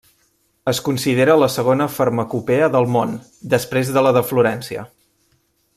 Es considera la segona farmacopea del món, després de la de Florència.